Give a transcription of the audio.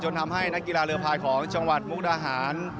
ทำให้นักกีฬาเรือพายของจังหวัดมุกดาหาร